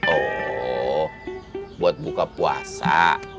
oh buat buka puasa